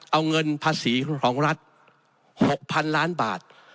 เอาเงินภาษีของรัฐ๖๐๐๐ล้านบาท